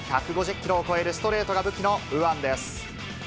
１５０キロを超えるストレートが武器の右腕です。